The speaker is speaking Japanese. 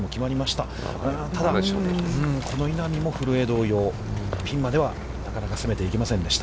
ただ、この稲見も古江同様ピンまではなかなか攻めていけませんでした。